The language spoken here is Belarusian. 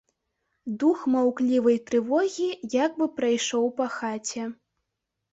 Дух маўклівай трывогі як бы прайшоў па хаце.